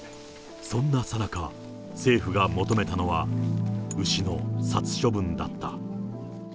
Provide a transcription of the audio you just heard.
そんなさなか、政府が求めたのは、牛の殺処分だった。